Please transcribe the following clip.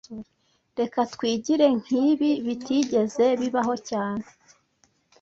Reka twigire nk'ibi bitigeze bibaho cyane